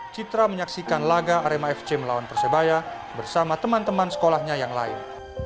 citra menyaksikan laga arema fc melawan persebaya bersama teman teman sekolahnya yang lain